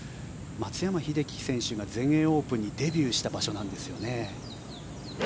松山英樹選手が全英オープンでデビューした場所なんです。